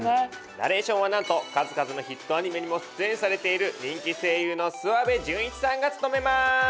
ナレーションはなんと数々のヒットアニメにも出演されている人気声優の諏訪部順一さんが務めます！